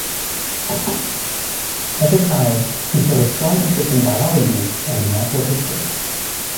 As a child, he showed a strong interest in biology and natural history.